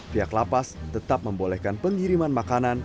pihak lapas tetap membolehkan pengiriman makanan